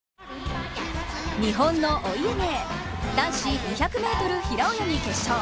日本のお家芸、男子２００ｍ平泳ぎ決勝。